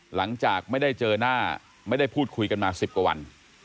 หลังจากไม่ได้เจอหน้าไม่ได้พูดคุยกันมา๑๐กว่าวัน